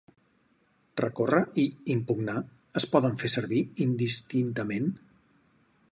Recórrer’ i ‘impugnar’ es poden fer servir indistintament?